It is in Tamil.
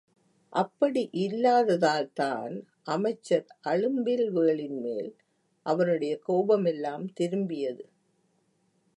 அப்படியில்லாததால்தான் அமைச்சர் அழும்பில்வேளின் மேல் அவனுடைய கோபமெல்லாம் திரும்பியது.